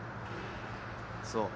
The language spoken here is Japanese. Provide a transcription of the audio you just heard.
そう。